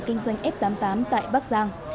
công ty cổ phần kinh doanh f tám mươi tám tại bắc giang